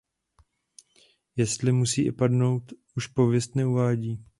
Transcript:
Jestli musí i padnout už pověst neuvádí.